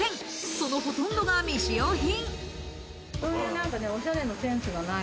そのほとんどが未使用品。